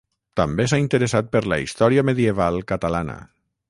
També s'ha interessat per la història medieval catalana.